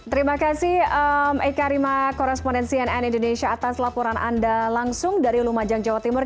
terima kasih eka rima korespondensi nn indonesia atas laporan anda langsung dari lumajang jawa timur